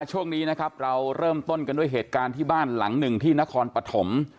ช่วงนี้นะครับเราเริ่มต้นกันด้วยเหตุการณ์ที่บ้านหลังหนึ่งที่นครปฐม